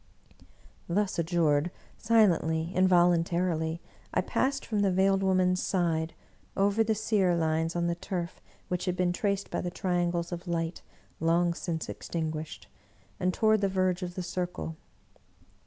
'* Thus adjured, silently, involuntarily, I passed from the Veiled Woman's side, over the sear lines on the turf which had been traced by the triangles of light long since extin guished, and toward the verge of the circle.